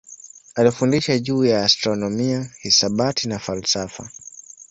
Alifundisha juu ya astronomia, hisabati na falsafa.